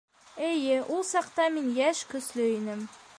Эйе, ул саҡта мин йәш, көслө инем.